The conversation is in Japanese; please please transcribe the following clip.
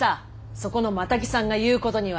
そこのマタギさんが言うことには。